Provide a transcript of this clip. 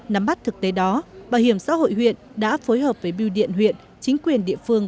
nắm bắt thực tế đó bảo hiểm xã hội huyện đã phối hợp với biêu điện huyện chính quyền địa phương